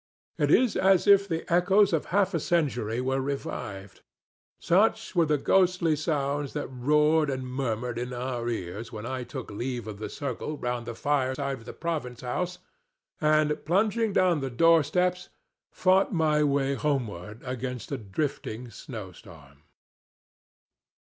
It is as if the echoes of half a century were revived. Such were the ghostly sounds that roared and murmured in our ears when I took leave of the circle round the fireside of the Province House and, plunging down the doorsteps, fought my way homeward against a drifting snow storm.